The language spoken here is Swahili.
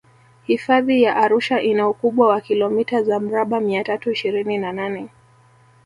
hifadhi ya arusha ina ukubwa wa kilomita za mraba mia tatu ishirini na nane